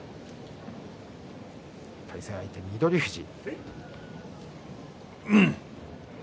対戦相手の翠富士。